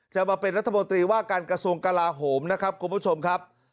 จะมาเป็นรัฐมนตรีว่าการกระทรวงกลาโหมนะครับคุณผู้ชมครับ